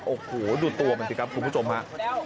โอ้โหดูตัวมันสิครับคุณผู้ชมฮะ